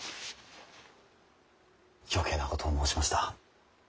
余計なことを申しました。